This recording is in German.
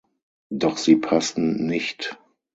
Doch sie passen nicht.